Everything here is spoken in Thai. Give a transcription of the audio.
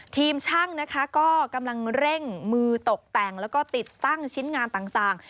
ทีมช่างนะคะก็กำลังเร่งมือตกแต่งแล้วก็ติดตั้งชิ้นงานต่าง